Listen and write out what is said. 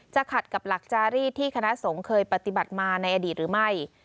ขัดกับหลักจารีสที่คณะสงฆ์เคยปฏิบัติมาในอดีตหรือไม่